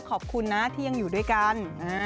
ขอบคุณนะที่ยังอยู่ด้วยกัน